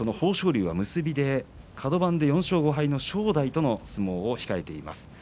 龍が結びでカド番で４勝５敗の正代との相撲を控えています。